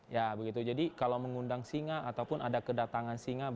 ya begitu jadi kalau mengundang singa ataupun ada kedatangan singa